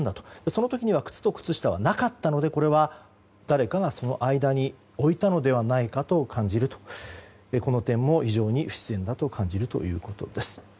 その時には靴と靴下はなかったのでこれは誰かが、その間に置いたのではないかと感じるとこの点も非常に不自然だと感じるということです。